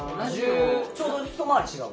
ちょうど一回り違う。